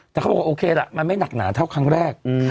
แต่เขาบอกว่าโอเคล่ะมันไม่หนักหนาเท่าครั้งแรก